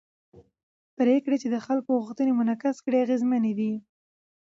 پرېکړې چې د خلکو غوښتنې منعکس کړي اغېزمنې دي